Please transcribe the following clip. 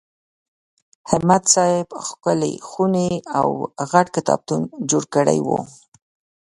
همت صاحب ښکلې خونې او غټ کتابتون جوړ کړی و.